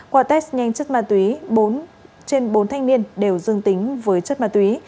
quả test nhanh chất ma túy trên bốn thanh niên đều dương tính với chất ma túy